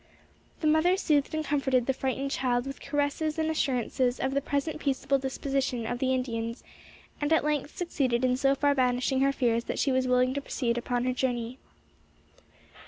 The mother soothed and comforted the frightened child with caresses and assurances of the present peaceable disposition of the Indians, and at length succeeded in so far banishing her fears that she was willing to proceed upon her journey.